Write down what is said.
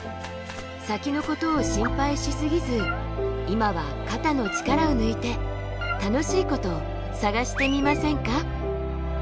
先のことを心配しすぎず今は肩の力を抜いて楽しいこと探してみませんか？